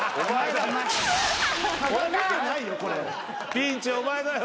ピンチはお前だよ。